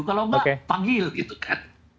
kalau enggak panggil gitu kan